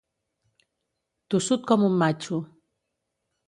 Tossut com un matxo.